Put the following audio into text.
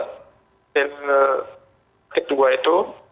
kegagalan kedua itu